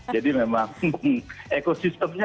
jadi memang ekosistemnya